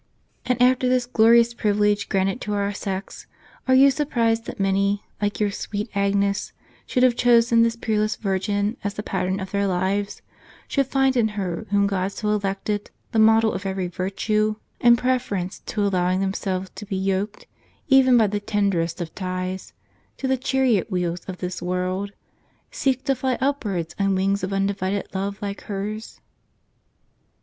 "And after this glorious privilege granted to our sex, are you surprised that many, like your sweet Agnes, should have chosen this peerless Virgin as the pattern of their lives ; should find in her, whom God so elected, the model of every virtue ; and should, in preference to allowing themselves to be yoked, even by the tenderest of ties, to the chariot wheels of this world, seek to fly upwards on wings of undivided love like hers